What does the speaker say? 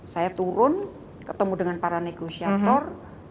saya turun ketemu dengan para negosiator